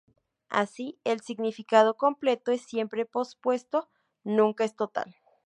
Así, el significado completo es siempre pospuesto; nunca es total.